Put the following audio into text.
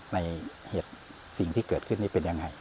ในเหตุสิ่งที่เกิดขึ้นนี้เป็นยังไง